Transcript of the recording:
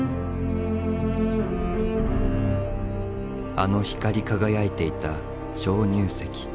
あの光り輝いていた鍾乳石。